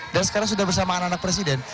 dan sekarang sudah bersama anak anak presiden